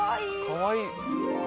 かわいい。